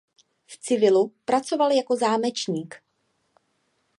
V civilu pracoval jako zámečník.